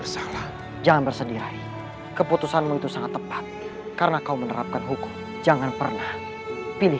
tahanan seni dengan pada pondok damai